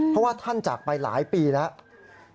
เพราะว่าท่านจากไปหลายปีแล้ว